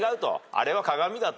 あれは鏡だ」と。